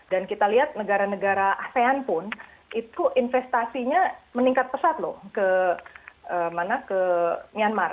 dan kita lihat negara negara asean pun itu investasinya meningkat pesat loh ke myanmar